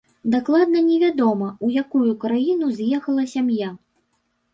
Дакладна не вядома, у якую краіну з'ехала сям'я.